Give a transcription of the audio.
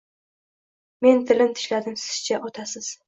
Men tilim tishladim, siz-chi otasiz